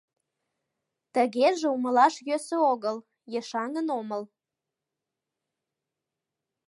Тыгеже умылаш йӧсӧ огыл: ешаҥын омыл.